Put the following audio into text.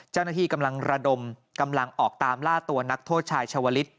เจ้าหน้าที่กำลังระดมกำลังออกตามล่าตัวนักโทษชายชาวลิศ